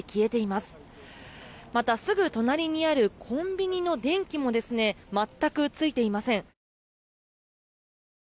また、すぐ隣にあるコンビニの電気も全くついていません。